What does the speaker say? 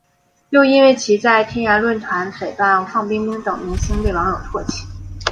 又因为其在天涯论坛诽谤范冰冰等明星被网友唾弃。